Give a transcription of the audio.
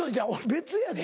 別やで。